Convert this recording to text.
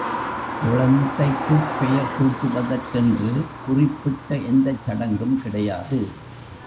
குழந்தைக்குப் பெயர் சூட்டுவதற்கென்று, குறிப்பிட்ட எந்தச் சடங்கும் கிடையாது.